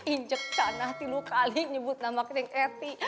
injek sana tiluk aling nyebut nama aku neng cathy